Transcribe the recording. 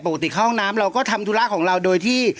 เข้าห้องน้ำเราก็ทำธุระของเราโดยที่